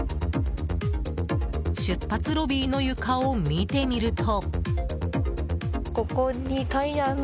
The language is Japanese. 出発ロビーの床を見てみると。